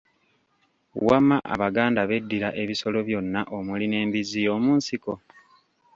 Wamma Abaganda b'eddira ebisolo byonna omuli n'embizzi y'omunsiko?